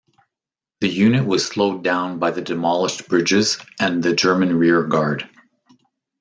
The unit was slowed down by the demolished bridges and the German rear guard.